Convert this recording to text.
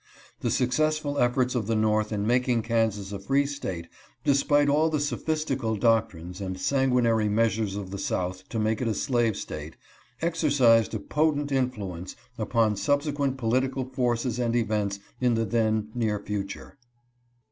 The successful efforts of the North in making Kansas a free DRED SCOTT DECISION. 373 State, despite all the sophistical doctrines and sanguinary measures of the South to make it a slave State, exercised a potent influence upon subsequent political forces and events in the then near future.